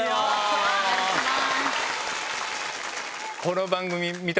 お願いします。